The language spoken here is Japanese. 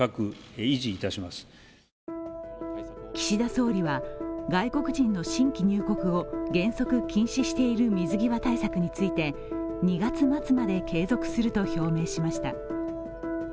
岸田総理は外国人の新規入国を原則禁止している水際対策について２月末まで継続すると表明しました。